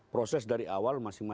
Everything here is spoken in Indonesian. proses dari awal masih masih